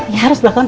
ya harus belakang